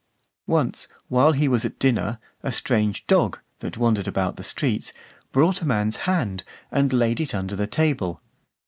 Once, while he was at dinner, a strange dog, that wandered about the streets, brought a man's hand , and laid it under the table.